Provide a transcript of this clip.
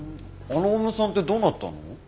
あのオウムさんってどうなったの？